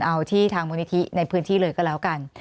เอาที่ทางมูลนิธิในพื้นที่เลยก็แล้วกัน